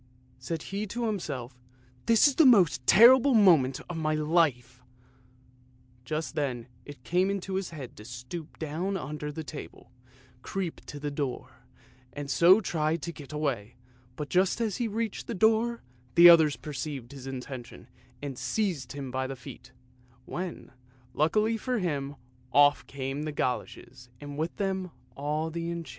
Said he to himself, " This is the most terrible moment of my life !" Just then it came into his head to stoop down under the table, creep to the door, and so try to get away, but just as he reached the door the others perceived his intention and seized him by the feet, when, luckily for him, off came the goloshes, and with them all the enchantment.